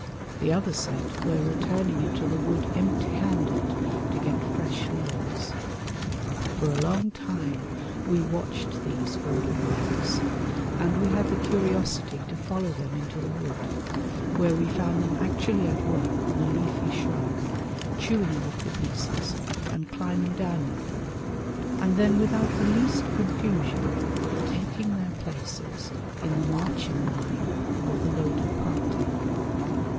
The other set were returning into the wood "empty handed" to get fresh loads. For a long time we watched these ordered ranks, and we had the curiosity to follow them into the wood, where we found them actually at work on a leafy shrub, chewing off the pieces and climbing down with them, and then without the least confusion taking their places in the marching line of the loaded party.